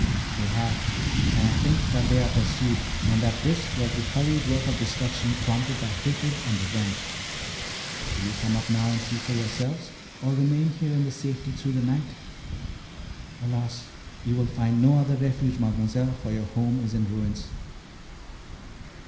"They have, and I think that they are pursued, and that this was the hurried work of destruction prompted by hatred and revenge. Will you come up now and see for yourselves, or remain here in safety through the night? Alas! you will find no other refuge, Mademoiselle, for your home is in ruins."